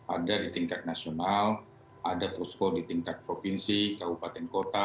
ada di tingkat nasional ada pusko di tingkat provinsi kabupaten kota